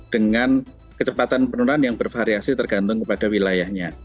dengan kecepatan penurunan yang bervariasi tergantung kepada wilayahnya